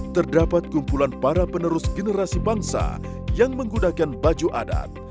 terdapat kumpulan para penerus generasi bangsa yang menggunakan baju adat